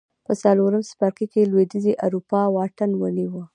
په څلورم څپرکي کې لوېدیځې اروپا واټن ونیو